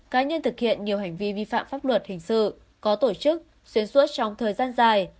cá nhân thực hiện nhiều hành vi vi phạm pháp luật hình sự có tổ chức xuyên suốt trong thời gian dài